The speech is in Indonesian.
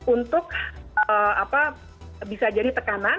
untuk bisa jadi tekanan